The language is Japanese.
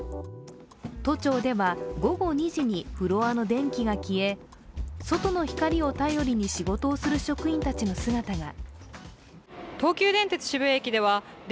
都庁では午後２時にフロアの電気が消え外の光を頼りに仕事をする職員たちの姿が。